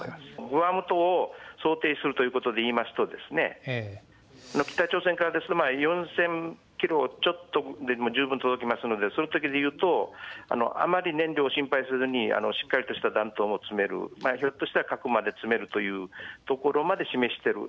グアム島を想定するということでいいますと、北朝鮮からですと、４０００キロちょっとで十分届きますので、そのことでいうと、あまり燃料を心配せずに、しっかりと弾頭も積める、ひょっとしたら核まで積めるというところまで示している。